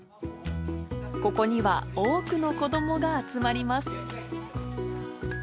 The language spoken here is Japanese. ここには多くの子どもが集まります。